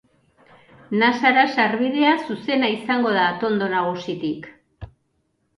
Nasara sarbidea zuzena izango da atondo nagusitik.